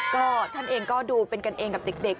ก็ท่านเองก็ดูเป็นกันเองกับเด็ก